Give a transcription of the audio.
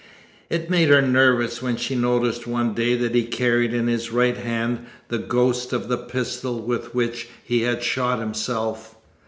It made her nervous when she noticed one day that he carried in his right hand the ghost of the pistol with which he had shot himself.